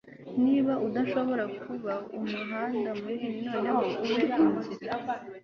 niba udashobora kuba umuhanda munini, noneho ube inzira